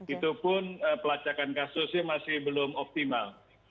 itu pun pelacakan kasusnya masih belum optimal